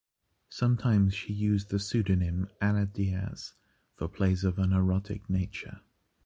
Sometimes she used the pseudonym Ana Díaz for plays of an erotic nature.